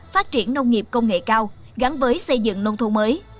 phát triển nông nghiệp công nghệ cao gắn với xây dựng nông thôn mới